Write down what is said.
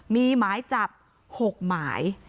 มีหมายจับ๖หมาย